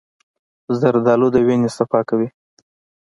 زردالو د وینې صفا کوي.